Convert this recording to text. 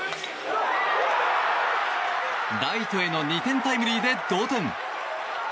ライトへの２点タイムリーで同点。